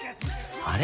あれ？